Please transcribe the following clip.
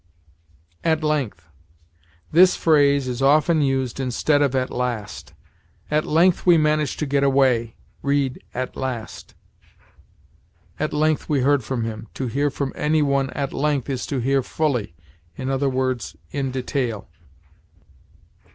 AT LENGTH. This phrase is often used instead of at last. "At length we managed to get away": read, "at last." "At length we heard from him." To hear from any one at length is to hear fully; i. e., in detail.